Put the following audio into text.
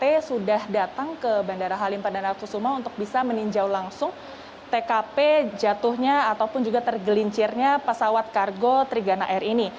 mereka sudah datang ke bandara halim perdana kusuma untuk bisa meninjau langsung tkp jatuhnya ataupun juga tergelincirnya pesawat kargo trigana air ini